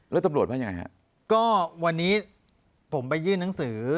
แล้วตำรวจว่ายังไงฮะก็วันนี้ผมไปยื่นหนังสือ